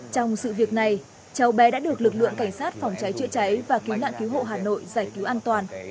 trong sự việc này cháu bé đã được lực lượng cảnh sát phòng cháy chữa cháy và cứu nạn cứu hộ hà nội giải cứu an toàn